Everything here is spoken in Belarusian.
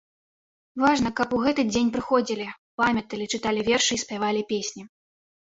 Важна, каб у гэты дзень прыходзілі, памяталі, чыталі вершы і спявалі песні.